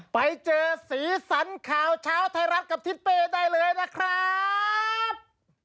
ไปเจอสีสันข่าวเช้าไทยรัฐกับทิศเป้ได้เลยนะครับ